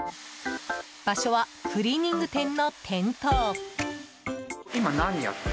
場所は、クリーニング店の店頭。